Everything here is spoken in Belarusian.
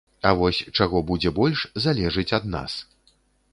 А вось чаго будзе больш, залежыць ад нас.